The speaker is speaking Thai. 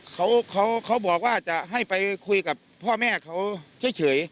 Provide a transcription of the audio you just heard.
เขาเขาบอกว่าจะให้ไปคุยกับพ่อแม่เขาเฉย